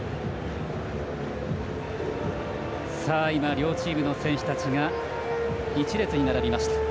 両チームの選手たちが一列に並びました。